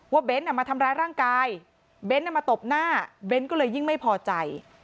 เบ้นมาทำร้ายร่างกายเบ้นมาตบหน้าเบ้นก็เลยยิ่งไม่พอใจ